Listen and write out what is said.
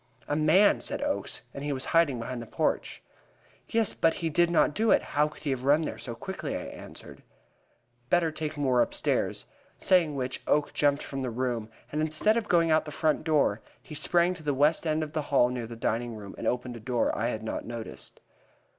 "A man!" said Oakes, "and he was hiding behind the porch." "Yes, but he did not do it; how could he have run there so quickly?" I answered. "Better take Moore upstairs," saying which, Oakes jumped from the room, and instead of going out of the front door, he sprang to the west end of the hall near the dining room, and opened a door I had not noticed.